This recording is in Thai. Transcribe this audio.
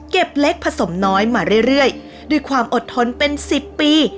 เก็บเล็กผสมน้อยมาเรื่อยเรื่อยด้วยความอดทนเป็นสิบปี